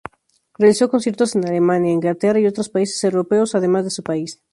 Realizó conciertos en Alemania, Inglaterra y otros países europeos, además de su país.